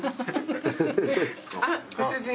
あっご主人。